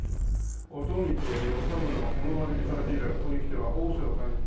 「お富と与三郎がこの場で見染めて以来ここに来ては逢瀬を楽しみ」。